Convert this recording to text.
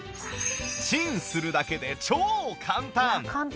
チンするだけで超簡単！